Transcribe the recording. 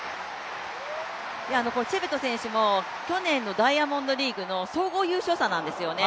チェベト選手も去年のダイヤモンドリーグの総合優勝者なんですよね、